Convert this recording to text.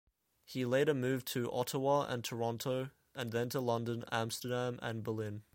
He later moved to Ottawa and Toronto, and then to London, Amsterdam and Berlin.